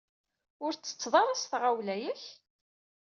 Ur ttetteḍ ara s tɣawla, yak?